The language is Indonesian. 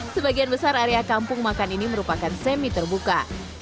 sebagian besar area kampung makan ini merupakan semi terbuka